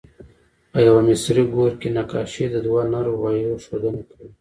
په یوه مصري ګور کې نقاشي د دوه نر غوایو ښودنه کوي.